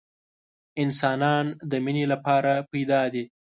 انسانان د مینې لپاره پیدا دي